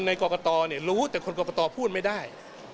ในกรกฎรเนี่ยรู้แต่คนกรกฎรพูดไม่ได้